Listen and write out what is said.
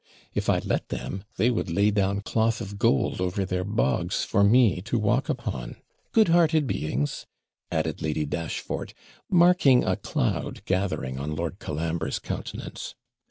If I'd let them, they would lay down cloth of gold over their bogs for me to walk upon. Good hearted beings!' added Lady Dashfort, marking a cloud gathering on Lord Colambre's countenance.